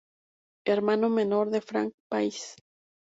Hermano menor de Frank País.